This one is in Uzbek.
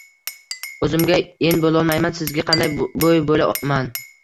— O’zimga en bo‘lolmayman, sizga qanday bo‘y bo‘la-man?